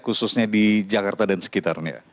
khususnya di jakarta dan sekitarnya